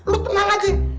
lu tenang aja